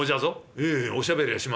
「ええおしゃべりはしませんけど。